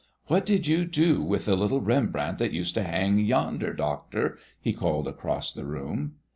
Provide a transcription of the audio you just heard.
"What did you do with the little Rembrandt that used to hang yonder, doctor?" he called across the room.